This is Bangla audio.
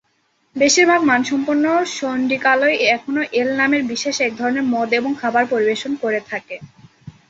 বেশিরভাগ মানসম্পন্ন শৌন্ডিকালয় এখনও এল নামের বিশেষ এক ধরনের মদ এবং খাবার পরিবেশন করে থাকে।